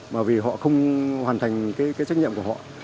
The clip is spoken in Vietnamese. bởi vì họ không hoàn thành cái trách nhiệm của họ